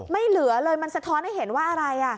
ไม่เหลือเลยมันสะท้อนให้เห็นว่าอะไร